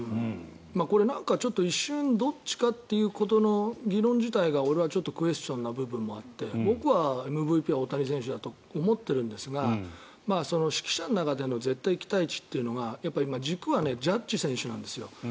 これ、何かちょっと一瞬どっちかという議論自体が俺はクエスチョンな部分があって僕はＭＶＰは大谷選手だと思ってるんですが識者の中での絶対期待値というのが軸はジャッジ選手なんですよ。